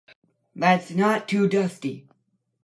That's not too dusty.